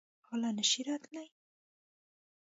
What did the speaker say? غله نه شي راتلی.